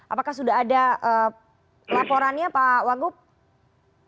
apakah sudah ada laporannya pak wagub